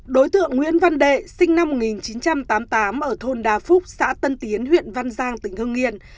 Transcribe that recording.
đối tượng nguyễn văn đệ sinh năm một nghìn chín trăm tám mươi tám ở thôn đa phúc xã tân tiến huyện văn giang tỉnh hương yên